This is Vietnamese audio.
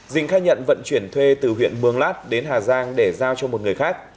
dình khai nhận vận chuyển thuê từ huyện mường lát đến hà giang để giao cho một người khác